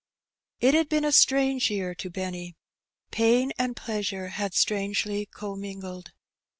It had been a strange year to Benny. Pain and pleasure had strangely commingled.